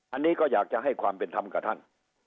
อันนี้ก็อยากจะให้ความเป็นธรรมกับท่าน